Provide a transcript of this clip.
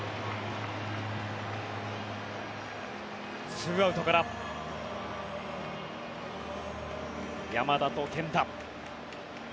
２アウトから山田と源田。